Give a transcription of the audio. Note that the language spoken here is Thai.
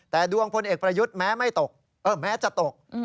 แต่ดวงพลเอกปรยุทธ์แม้จะตก